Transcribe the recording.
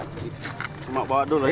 banyak bawa dulu ya